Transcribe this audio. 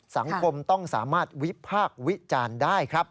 สังคมต้องสามารถวิพากษ์วิจารณ์ได้ครับ